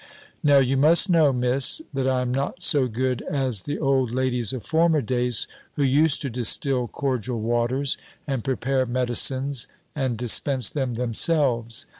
Now you must know, Miss, that I am not so good as the old ladies of former days, who used to distil cordial waters, and prepare medicines, and dispense them themselves.